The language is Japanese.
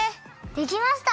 できました！